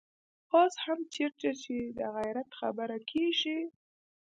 اوس هم چېرته چې د غيرت خبره کېږي.